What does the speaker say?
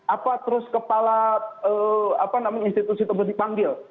apa terus kepala institusi tersebut dipanggil